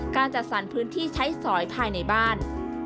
จัดสรรพื้นที่ใช้สอยภายในบ้าน